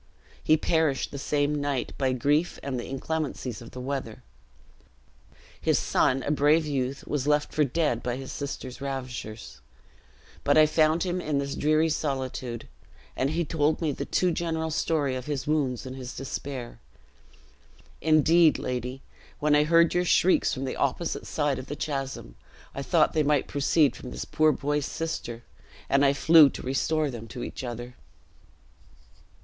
He perished the same night, by grief, and the inclemencies of the weather. His son, a brave youth, was left for dead by his sister's ravishers; but I found him in this dreary solitude, and he told me the too general story of his wounds and his despair. Indeed, lady, when I heard your shrieks from the opposite side of the chasm, I thought they might proceed from this poor boy's sister, and I flew to restore them to each other."